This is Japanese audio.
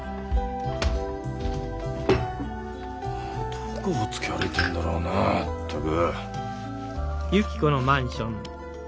どこほっつき歩いてるんだろうなまったく。